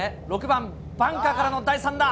６番、バンカーからの第３打。